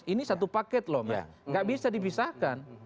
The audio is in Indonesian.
ini satu paket loh mbak nggak bisa dipisahkan